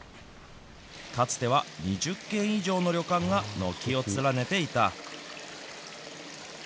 かつては２０軒以上の旅館が軒を連ねていた。